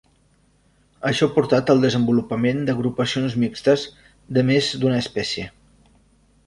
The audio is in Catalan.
Això ha portat al desenvolupament d'agrupacions mixtes de més d'una espècie.